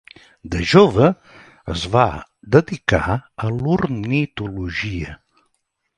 De jove es va dedicar a l'ornitologia.